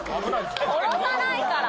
殺さないから。